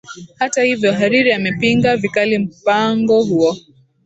hata hivyo hariri amepinga vikali mpango huo